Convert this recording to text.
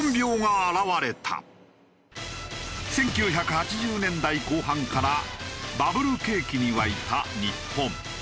１９８０年代後半からバブル景気に沸いた日本。